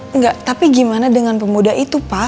enggak tapi gimana dengan pemuda itu pak